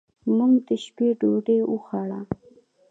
موږ د شپې ډوډۍ وخوړه.